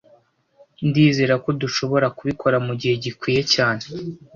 Ndizera ko dushobora kubikora mugihe gikwiye cyane